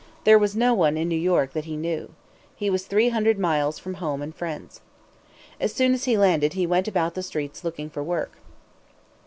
There was no one in New York that he knew. He was three hundred miles from home and friends. As soon as he landed he went about the streets looking for work.